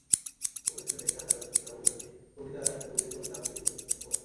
প্রদর্শনী দেখতে আসা দর্শকেরা অভিবাসী কবিদের কবিতা আবৃতির ভূয়সী প্রশংসা করেন।